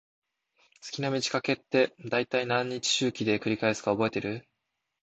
月の満ち欠けって、だいたい何日周期で繰り返すか覚えてる？